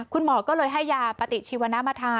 คุณหมอก็เลยให้ยาปฏิชีวน้ำมาทา